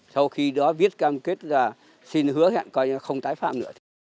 sau khi đó viết cam kết là xin hứa hẹn coi như không tái phạm nữa